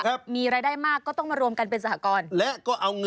ชีวิตกระมวลวิสิทธิ์สุภาณฑ์